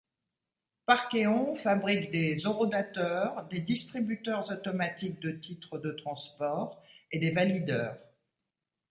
Parkeon fabrique des horodateurs, des distributeurs automatique de titres de transport et des valideurs.